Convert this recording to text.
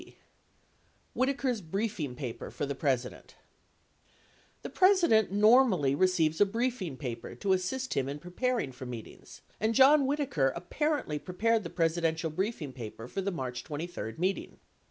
84 b. Whitaker's Briefing Pafer for the President The President normally receives a briefing paper to assist him in preparing for meetings, and John Whitaker apparently prepared the Presidential briefing paper for the March 23 meeting.